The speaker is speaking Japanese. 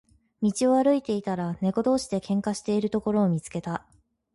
道を歩いていたら、猫同士で喧嘩をしているところを見つけた。